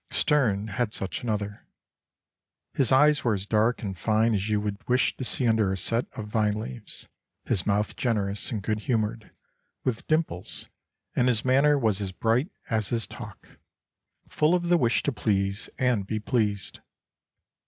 Sterne had such another. His eyes were as dark and fine as you would wish to see under a set of vine leaves; his mouth generous and good humoured, with dimples; and his manner was as bright as his talk, full of the wish to please and be pleased.